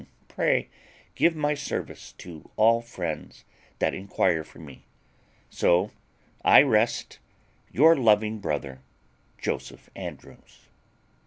Pray give my service to all friends that inquire for me. So I rest "Your loving brother, "JOSEPH ANDREWS."